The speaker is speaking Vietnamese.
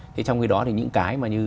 trong khi đó thì những cái mà như